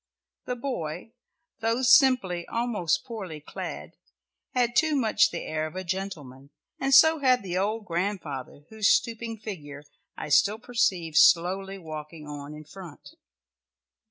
The boy, though simply, almost poorly clad, had too much the air of a gentleman, and so had the old grandfather, whose stooping figure I still perceived slowly walking on in front.